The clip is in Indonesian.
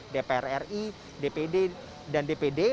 dpr ri dpd dan dpd